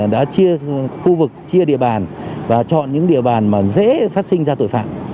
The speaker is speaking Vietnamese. đã chia khu vực chia địa bàn và chọn những địa bàn mà dễ phát sinh ra tội phạm